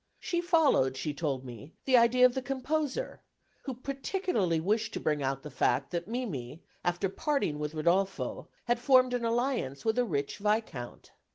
She followed, she told me, the idea of the composer, who particularly wished to bring out the fact that Mimi, after parting with Rodolfo, had formed an alliance with a rich viscount.